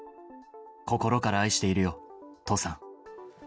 心から愛しているよ、父さん。